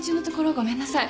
ごめんなさい。